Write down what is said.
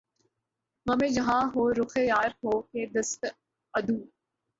غم جہاں ہو رخ یار ہو کہ دست عدو